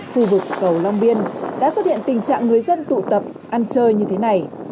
khu vực cầu long biên đã xuất hiện tình trạng người dân tụ tập ăn chơi như thế này